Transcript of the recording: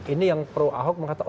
ini yang pro ahok mengatakan